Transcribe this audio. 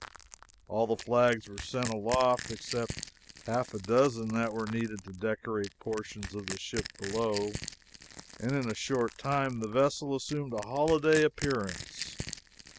All the flags were sent aloft except half a dozen that were needed to decorate portions of the ship below, and in a short time the vessel assumed a holiday appearance.